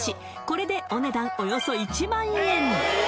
これでお値段およそ１００００円